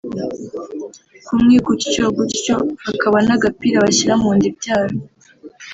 kumwe gutyo gutyo hakaba n’agapira bashyira mu nda ibyara